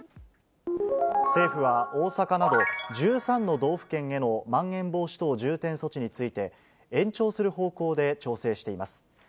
政府は、大阪など１３の道府県へのまん延防止等重点措置について、延長する方向で調整しています。